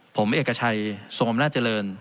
ผมเอกชัยสมมนต์น่าเจริญ